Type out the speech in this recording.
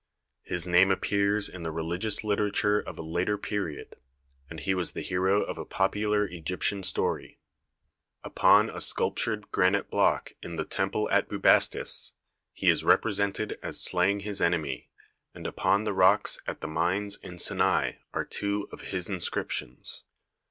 His name appears in the religious literature of a later period, and he was the hero of a popular Egyptian story. Upon a sculptured granite block in the temple at Bubastis he is represented as slaying his enemy, and upon the rocks at the mines in Sinai are two of his inscriptions.